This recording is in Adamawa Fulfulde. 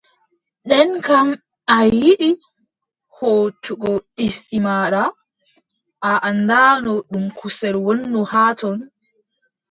Nden kam a yiɗi hoocugo ɗisdi maaɗa, a anndaano ɗum kusel wonno haa ton.